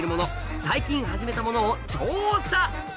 最近始めたものを調査！